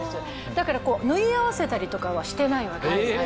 だから縫い合わせたりとかはしてないわけなんです。